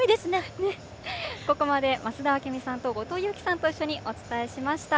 ここまで増田明美さんと後藤佑季さんと一緒にお伝えしました。